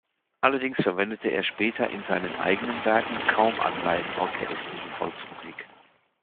Allerdings verwendete er später in seinen eigenen Werken kaum Anleihen aus der estnischen Volksmusik.